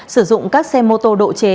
sử dụng các xe mô tô độ chế